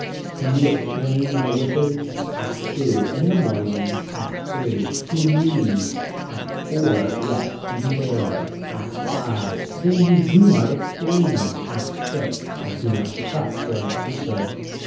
Can you explain my wishes. ACT II. In the morning. ACT III. To me. ACT IV. Yes in there. ACT V. Then you do not explain. ACT VI. I do not press for an answer.